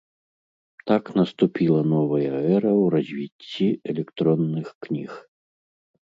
Так наступіла новая эра ў развіцці электронных кніг.